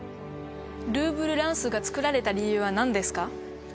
ルーブルランスが造られた理由は何ですか？